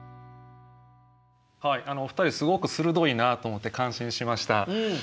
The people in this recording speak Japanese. はいお二人すごく鋭いなと思って感心しました。